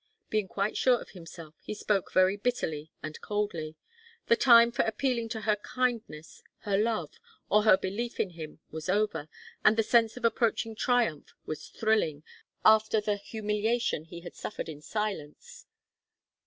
Being quite sure of himself, he spoke very bitterly and coldly. The time for appealing to her kindness, her love, or her belief in him was over, and the sense of approaching triumph was thrilling, after the humiliation he had suffered in silence.